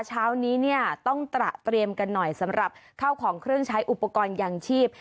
เช้านี้เนี่ยต้องตระเตรียมกันหน่อยสำหรับข้าวของเครื่องใช้อุปกรณ์ยางชีพ